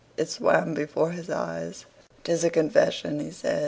It swam before his eyes. "'Tis a confession," he said.